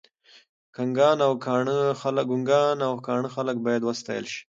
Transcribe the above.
ګنګان او کاڼه خلګ باید وستایل شي.